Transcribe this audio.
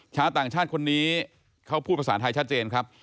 ชาวต่างชาติคนนี้เขาพูดภาษาไทยชัดเจนครับ